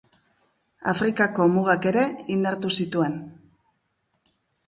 Afrikako mugak ere indartu zituen.